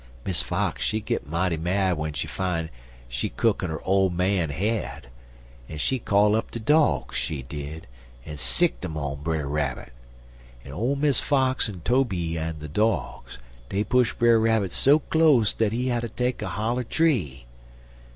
Miss Fox, she git mighty mad w'en she fine she cookin' her ole man head, en she call up de dogs, she did, en sickt em on Brer Rabbit; en ole Miss Fox en Tobe en de dogs, dey push Brer Rabbit so close dat he hatter take a holler tree.